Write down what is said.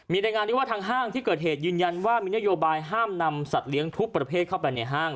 มีรายงานที่ว่าทางห้างที่เกิดเหตุยืนยันว่ามีนโยบายห้ามนำสัตว์เลี้ยงทุกประเภทเข้าไปในห้าง